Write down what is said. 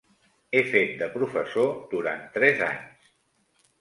He fet de professor durant tres anys.